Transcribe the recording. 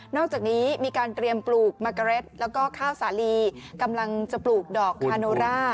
อกจากนี้มีการเตรียมปลูกมะกะเร็ดแล้วก็ข้าวสาลีกำลังจะปลูกดอกคาโนร่า